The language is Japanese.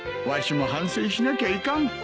わしも反省しなきゃいかん。